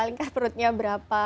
lingkar perutnya berapa